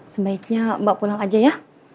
sebaiknya mbak pulang aja ya